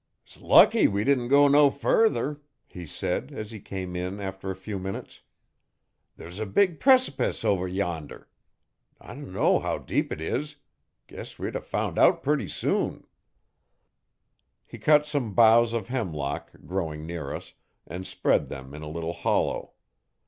''S lucky we didn't go no further,' he said, as he came in after a few minutes. 'There's a big prec'pice over yender. Dunno how deep 't is. Guess we'd a found out purty soon.' He cut some boughs of hemlock, growing near us, and spread them in a little hollow.